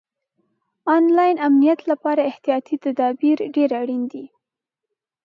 آنلاین امنیت لپاره احتیاطي تدابیر ډېر اړین دي.